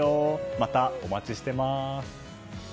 またお待ちしてます！